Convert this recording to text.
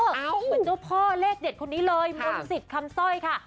เหมือนเจ้าพ่อเลขเด็ดคนนี้เลยมนต์สิทธิ์คำสร้อยค่ะ